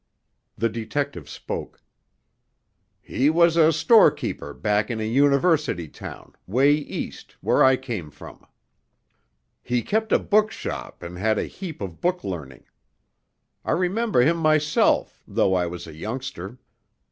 The detective spoke. "He was a storekeeper back in a university town, way East, where I came from. He kept a bookshop and had a heap of book learning. I remember him myself, though I was a youngster.